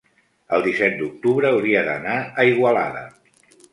el disset d'octubre hauria d'anar a Igualada.